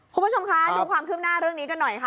คุณผู้ชมคะดูความคืบหน้าเรื่องนี้กันหน่อยค่ะ